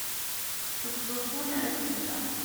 seg uẓeffun ar at yeğğer